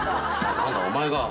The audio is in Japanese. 何だお前か。